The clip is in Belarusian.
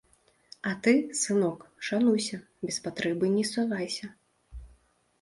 А ты, сынок, шануйся, без патрэбы не совайся.